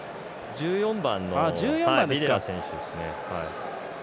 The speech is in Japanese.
１４番のビデラ選手ですね。